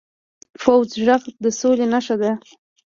پوخ غږ د سولي نښه ده